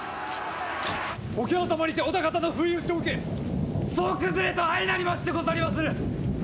桶狭間にて織田方の不意打ちを受け総崩れと相なりましてござりまする！